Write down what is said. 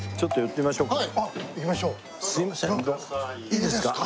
いいですか？